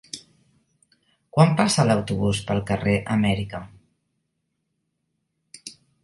Quan passa l'autobús pel carrer Amèrica?